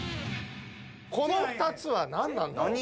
この２つは何なんだろう。